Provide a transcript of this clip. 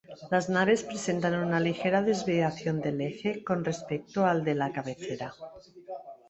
Las naves presentan una ligera desviación del eje con respecto al de la cabecera.